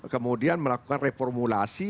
kemudian melakukan reformulasi